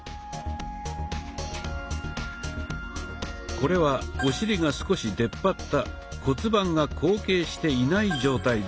これはお尻が少し出っ張った骨盤が後傾していない状態です。